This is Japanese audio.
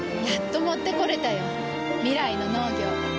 やっと持ってこれたよ。未来の農業。